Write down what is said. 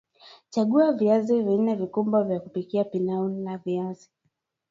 Chagua viazi nne vikubwa vya kupika pilau la viazi